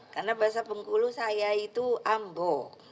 karena bahasa bengkulu saya itu ambo